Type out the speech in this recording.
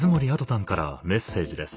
タンからメッセージです。